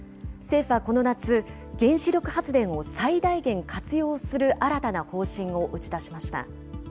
政府はこの夏、原子力発電を最大限活用する新たな方針を打ち出しました。